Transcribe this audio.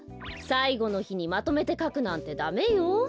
さいごのひにまとめてかくなんてダメよ。